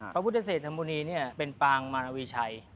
ปักพุทธเสธฮะมูลีเนี่ยเป็นปางมานวิไชย